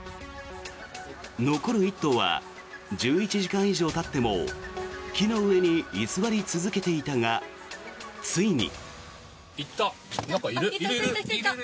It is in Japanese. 残る１頭は１１時間以上たっても木の上に居座り続けていたがついに。